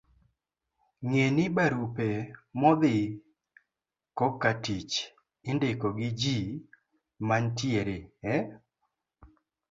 Ng'e ni, barupe modhi kokatich indiko gi ji manitiere e